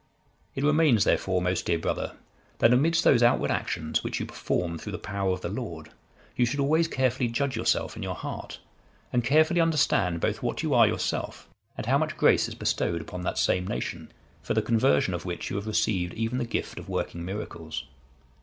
"It remains, therefore, most dear brother, that amidst those outward actions, which you perform through the power of the Lord, you should always carefully judge yourself in your heart, and carefully understand both what you are yourself, and how much grace is bestowed upon that same nation, for the conversion of which you have received even the gift of working miracles.